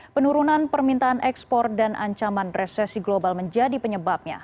penurunan permintaan ekspor dan ancaman resesi global menjadi penyebabnya